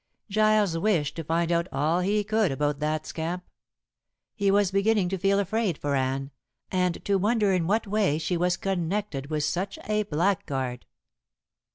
Giles wished to find out all he could about that scamp. He was beginning to feel afraid for Anne, and to wonder in what way she was connected with such a blackguard.